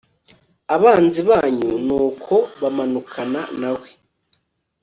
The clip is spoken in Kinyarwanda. abanzi banyu. nuko bamanukana na we